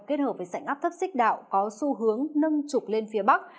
kết hợp với sảnh áp thấp xích đạo có xu hướng nâng trục lên phía bắc